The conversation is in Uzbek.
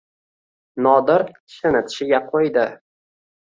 Nodir tishini-tishiga qo‘ydi.